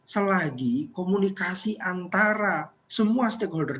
selagi komunikasi antara semua stakeholder